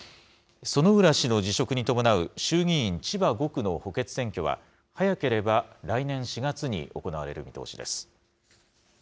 薗浦氏の辞職に伴う衆議院千葉５区の補欠選挙は、早ければ来年４月に行われる見通しです。